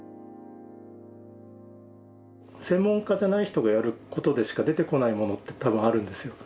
専門家じゃない人がやることでしか出てこないものって多分あるんですよ。